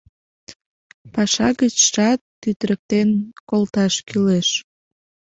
Паша гычшат тӱтырыктен колташ кӱлеш!..